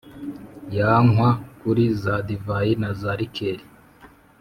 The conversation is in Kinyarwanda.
yakwa kuri za divayi na za likeri